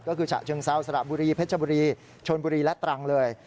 ก็คือฉะเชิงเซาสระบุรีเพชรบุรีชนบุรีและตรังเลย